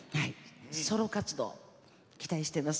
ソロ活動、期待しています。